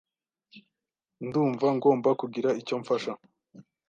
Ndumva ngomba kugira icyo mfasha.